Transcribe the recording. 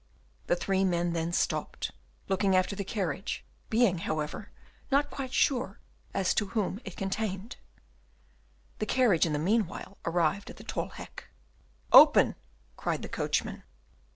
The three men then stopped, looking after the carriage, being however not yet quite sure as to whom it contained. The carriage in the meanwhile arrived at the Tol Hek. "Open!" cried the coachman.